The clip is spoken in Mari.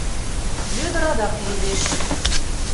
— Вӧдыр адак йодеш.